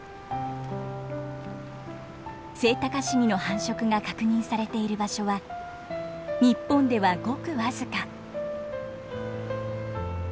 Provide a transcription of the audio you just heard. セイタカシギの繁殖が確認されている場所は日本ではごく僅か。